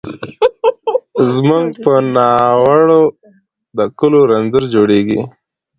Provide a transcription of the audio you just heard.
زموږ په ناړو د کلو رنځور جوړیږي